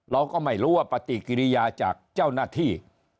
เราก็ไม่รู้ว่าปฏิกิริยาจากเจ้าหน้าที่